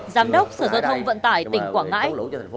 giám đốc sở giao thông vận tải tỉnh quảng ngãi